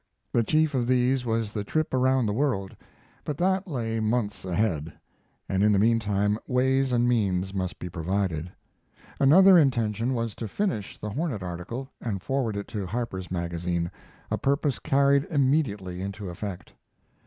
The chief of these was the trip around the world; but that lay months ahead, and in the mean time ways and means must be provided. Another intention was to finish the Hornet article, and forward it to Harper's Magazine a purpose carried immediately into effect.